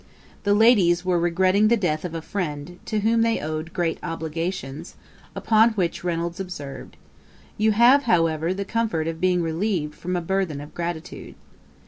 The ladies were regretting the death of a friend, to whom they owed great obligations; upon which Reynolds observed, 'You have, however, the comfort of being relieved from a burthen of gratitude.'